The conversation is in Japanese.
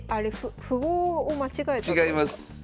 え違います。